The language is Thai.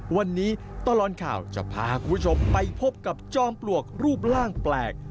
วันนี้ตลอดข่าวจะพาคุณผู้ชมไปพบกับจอมปลวกรูปร่างแปลก